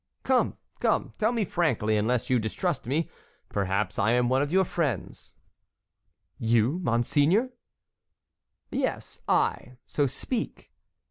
"Come, come! tell me frankly, unless you distrust me; perhaps I am one of your friends." "You, monseigneur?" "Yes, I; so speak."